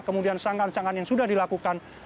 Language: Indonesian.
kemudian sangkan sangkan yang sudah dilakukan